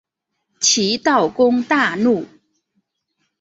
齐悼公大怒。